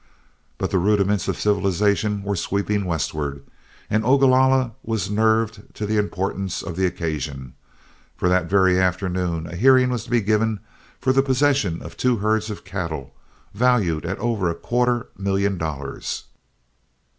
But the rudiments of civilization were sweeping westward, and Ogalalla was nerved to the importance of the occasion; for that very afternoon a hearing was to be given for the possession of two herds of cattle, valued at over a quarter million dollars.